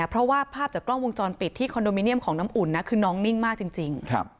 เพราะว่าภาพจากกล้องวงจรปิดที่คอนโดมิเนียมของน้ำอุ่นนะคือน้องนิ่งมากจริง